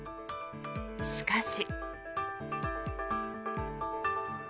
しかし。